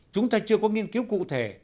chúng ta chưa có nghiên cứu cụ thể